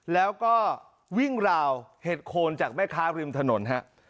แล้วก็วิ่งราวเห็ดโคนจากแม่ค้าริมถนนฮะ